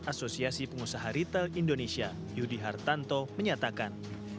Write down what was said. asosiasi pengusaha retail indonesia yudi hartanto menyatakan